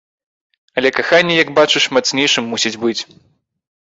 Але каханне, як бачыш, мацнейшым мусіць быць.